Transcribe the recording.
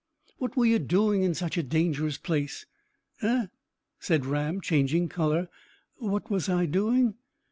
"What were you doing in such a dangerous place?" "Eh?" said Ram, changing colour; "what was I doing?"